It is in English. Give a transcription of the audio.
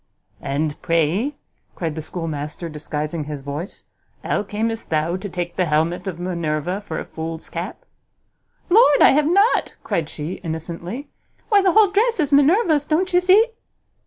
"And pray," cried the schoolmaster, disguising his voice, "how camest thou to take the helmet of Minerva for a fool's cap?" "Lord, I have not," cried she, innocently, "why, the whole dress is Minerva's; don't you see?"